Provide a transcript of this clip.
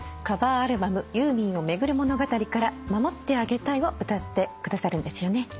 カバーアルバム『ユーミンをめぐる物語』から『守ってあげたい』を歌ってくださるんですよね。